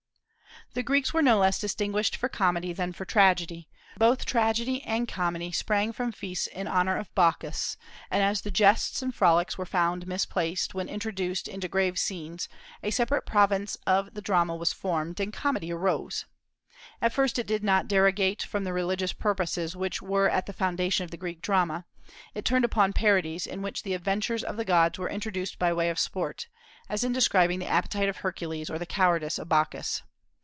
The Greeks were no less distinguished for comedy than for tragedy. Both tragedy and comedy sprang from feasts in honor of Bacchus; and as the jests and frolics were found misplaced when introduced into grave scenes, a separate province of the drama was formed, and comedy arose. At first it did not derogate from the religious purposes which were at the foundation of the Greek drama; it turned upon parodies in which the adventures of the gods were introduced by way of sport, as in describing the appetite of Hercules or the cowardice of Bacchus.